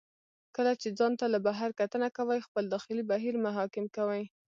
کله چې ځان ته له بهر کتنه کوئ، خپل داخلي بهیر مه حاکم کوئ.